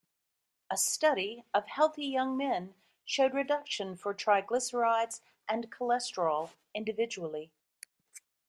A study of healthy young men showed reduction for triglycerides and cholesterol individually.